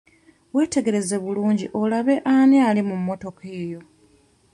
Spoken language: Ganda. Weetegereze bulungi olabe ani ali mu mmotoka eyo.